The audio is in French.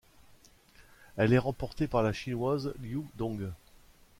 Elle est remportée par la Chinoise Liu Dong.